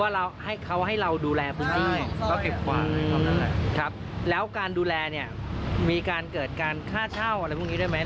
เราให้เขาให้เราดูแลพื้นที่ครับแล้วการดูแลเนี่ยมีการเกิดการค่าเช่าอะไรพวกนี้ได้ไหม